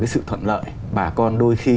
cái sự thuận lợi bà con đôi khi